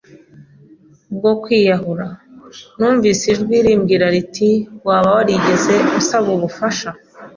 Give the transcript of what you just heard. bwo kwiyahura, numvise ijwi rimbwira riti: “Waba warigeze unsaba ubufasha